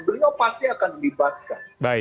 beliau pasti akan dibatkan